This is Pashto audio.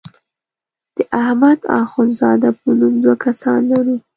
د احمد اخوند زاده په نوم دوه کسان لرو.